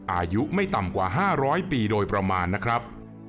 อายุไม่ต่ำกว่า๕๐๐ปีโดยประมาณนะครับ